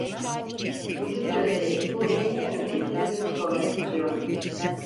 Müdürü görerek bu yeni emrin sebebini sormak istiyordu.